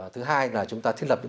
thứ hai là chúng ta thiết lập